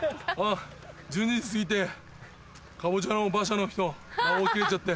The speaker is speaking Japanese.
１２時過ぎてカボチャの馬車の人魔法切れちゃって。